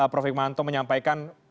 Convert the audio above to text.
prof iqmanto menyampaikan